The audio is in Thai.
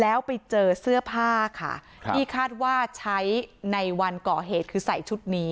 แล้วไปเจอเสื้อผ้าค่ะที่คาดว่าใช้ในวันก่อเหตุคือใส่ชุดนี้